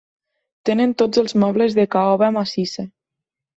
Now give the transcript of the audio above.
Tenen tots els mobles de caoba massissa.